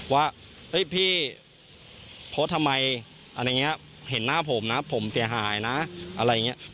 ว่าพี่เพราะทำไมเห็นหน้าผมนะผมเสียหายนะอะไรอย่างนี้